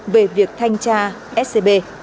về việc thanh tra scb